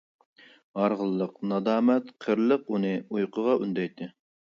ھارغىنلىق، نادامەت، قېرىلىق ئۇنى ئۇيقۇغا ئۈندەيتتى.